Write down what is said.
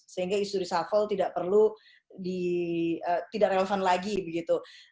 sehingga istri shafol tidak perlu di tidak relevan lagi begitu